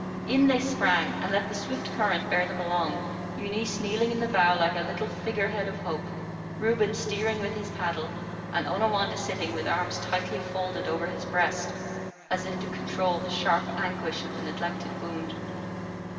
In they sprang, and let the swift current bear them along, Eunice kneeling in the bow like a little figure head of Hope, Reuben steering with his paddle, and Onawandah sitting with arms tightly folded over his breast, as if to control the sharp anguish of the neglected wound.